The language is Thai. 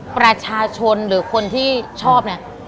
ประชาชนหรือคนที่ชอบเนี่ย